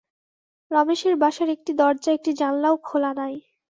রমেশের বাসার একটি দরজা একটি জানলাও খোলা নাই।